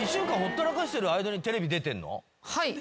はい。